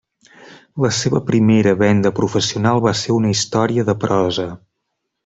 La seva primera venda professional va ser una història de prosa.